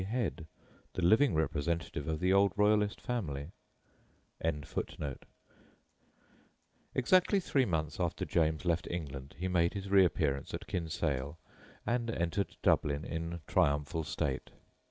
Head, the living representative of the old Royalist family] Exactly three months after James left England he made his reappearance at Kinsale and entered Dublin in triumphal state.